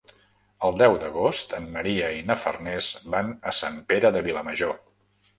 El deu d'agost en Maria i na Farners van a Sant Pere de Vilamajor.